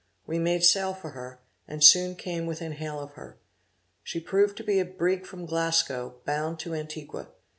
We made sail for her, and soon came within hail of her. She proved to be a brig from Glasgow, bound to Antigua.